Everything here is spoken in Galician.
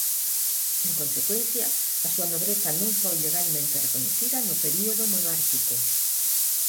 En consecuencia a súa nobreza non foi legalmente recoñecida no período monárquico.